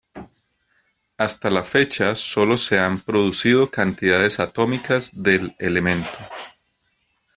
Hasta la fecha sólo se han producido cantidades atómicas del elemento.